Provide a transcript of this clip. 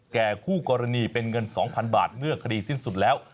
คู่กรณีเป็นเงิน๒๐๐๐บาทเมื่อคดีสิ้นสุดแล้ว